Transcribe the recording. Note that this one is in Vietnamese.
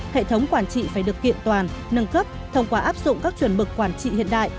hệ thống quản trị phải được kiện toàn nâng cấp thông qua áp dụng các chuẩn mực quản trị hiện đại